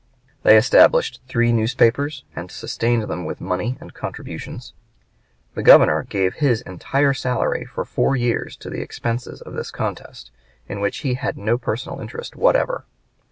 They established three newspapers, and sustained them with money and contributions. The Governor gave his entire salary for four years to the expenses of this contest, in which he had no personal interest whatever.